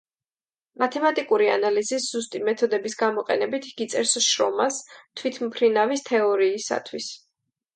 მათემატიკური ანალიზის ზუსტი მეთოდების გამოყენებით იგი წერს შრომას „თვითმფრინავის თეორიისათვის“.